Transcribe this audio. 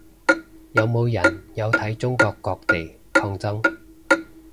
有冇人有睇中國各地抗爭